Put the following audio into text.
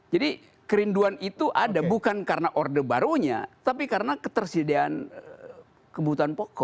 jadi kerinduan itu ada bukan karena order barunya tapi karena ketersediaan kebutuhan pokok